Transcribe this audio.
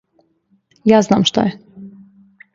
Ја знам шта је.